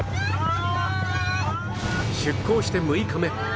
出港して６日目